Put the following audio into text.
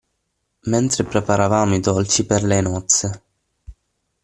Mentre preparavamo i dolci per le nozze.